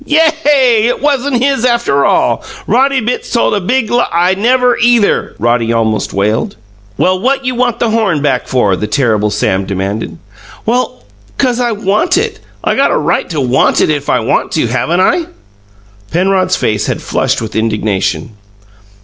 "Yay! It WASN'T his, after all! Roddy Bitts told a big l " "I never, either!" Roddy almost wailed. "Well, what you want the horn back for?" the terrible Sam demanded. "Well, 'cause I want it. I got a right to want it if I want to, haven't I?" Penrod's face had flushed with indignation.